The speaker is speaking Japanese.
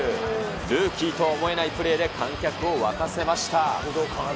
ルーキーとは思えないプレーで観客を沸かせました。